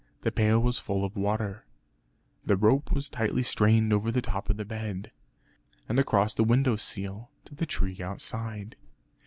The pail was full of water; the rope was tightly strained over the top of the bed, and across the window sill to the tree outside.